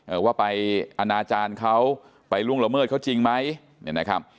ว่าไปอนาจารย์เขาไปล่วงละเมิดเขาจริงไหมเนี่ยนะครับ